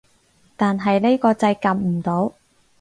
但係呢個掣撳唔到